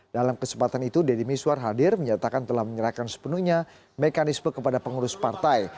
dalam kesempatan itu deddy miswar hadir menyatakan telah menyerahkan sepenuhnya mekanisme kepada pengurus partai